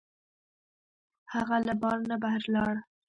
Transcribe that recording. هغه له بار نه بهر لاړ.